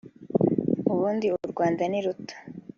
ubundi u Rwanda ni ruto